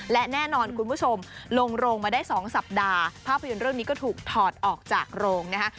และแน่นอนคุณผู้ชมลงโรงมาได้๒สัปดาห์ภาพยนตร์เรื่องนี้ก็ถูกถอดออกจากโรงนะคะ